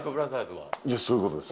いや、そういうことです。